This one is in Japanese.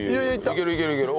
いけるいけるいける。